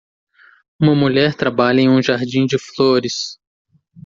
Uma mulher trabalha em um jardim de flores